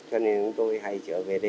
cho nên tôi hay trở về đây